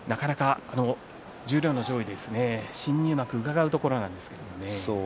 十両の上位ですよね、新入幕をうかがうところなんですけどもね。